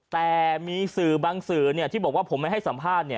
แต่มีสื่อบางสื่อที่บอกว่าผมไม่ให้สัมภาษณ์